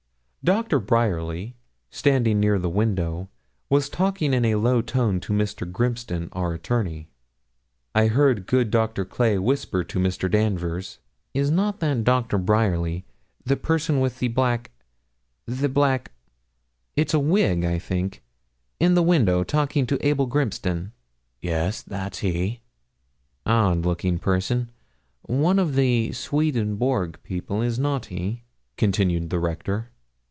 Doctor Bryerly, standing near the window, was talking in a low tone to Mr. Grimston, our attorney. I heard good Dr. Clay whisper to Mr. Danvers 'Is not that Doctor Bryerly the person with the black the black it's a wig, I think in the window, talking to Abel Grimston?' 'Yes; that's he.' 'Odd looking person one of the Swedenborg people, is not he?' continued the Rector.